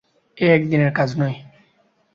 এ এক দিনের কাজ নয়।